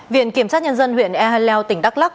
viện kiểm sát nhân dân huyện ehleu tỉnh đắk lắk